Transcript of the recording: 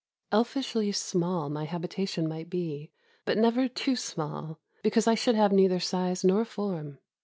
Elfishly small my habitation might be, but never too small, because I should have neither size nor form.